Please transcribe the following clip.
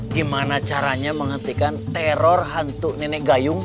gimana caranya menghentikan teror hantu nenek gayung